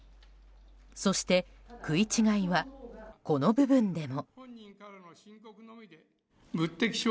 そして、食い違いはこの部分でも。